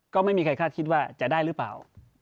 ก็ไม่มีใครคาดคิดว่าจะได้หรือเปล่า